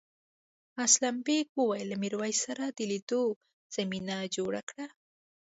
اسلم بېگ وویل له میرويس سره د لیدو زمینه جوړه کړه.